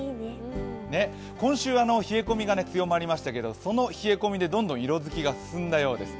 今週、冷え込みが強まりましたけどその冷え込みでどんどん色づきが進んだようです。